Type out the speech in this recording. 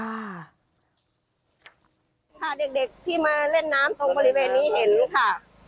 ค่ะเด็กที่มาเล่นน้ำตรงบริเวณนี้เห็นค่ะ